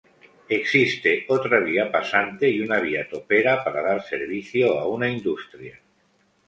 Existe otra vía pasante y una vía topera para dar servicio a una industria.